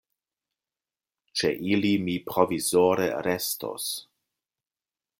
Ĉe ili mi provizore restos.